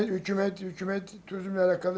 hukumat hukumat turisme alaqala